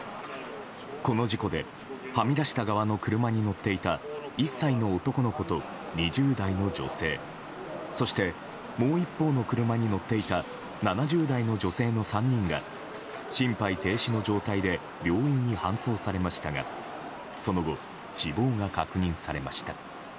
この事故ではみ出した側の車に乗っていた１歳の男の子と２０代の女性そして、もう一方の車に乗っていた７０代の女性の３人が心肺停止の状態で病院に搬送されましたがその後、死亡が確認されました。